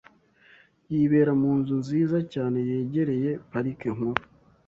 Yibera mu nzu nziza cyane. yegereye Parike Nkuru .